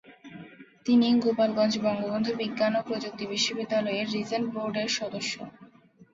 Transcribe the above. তিনি গোপালগঞ্জ বঙ্গবন্ধু বিজ্ঞান ও প্রযুক্তি বিশ্ববিদ্যালয়ের রিজেন্ট বোর্ডের সদস্য।